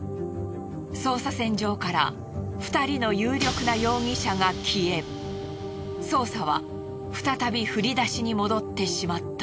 捜査線上から２人の有力な容疑者が消え捜査は再び振り出しに戻ってしまった。